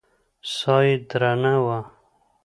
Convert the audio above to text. ساه يې درنه وه.